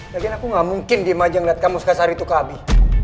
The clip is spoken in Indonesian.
lagian aku gak mungkin di majang liat kamu suka sari tukar abi